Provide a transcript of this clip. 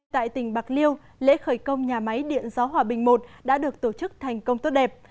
tại tỉnh bạc liêu lễ khởi công nhà máy điện gió hòa bình i đã được tổ chức thành công tốt đẹp